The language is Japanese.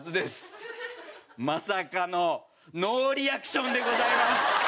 まさかのノーリアクションでございます。